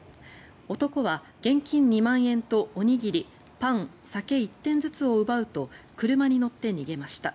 男は現金２万円とおにぎり、パン、酒１点ずつを奪うと車に乗って逃げました。